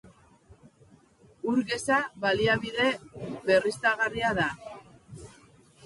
Ur geza baliabide berriztagarria da.